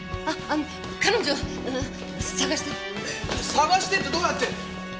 捜してってどうやって！？